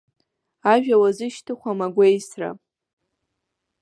Ажәа уазышьҭыхәам агәеисра.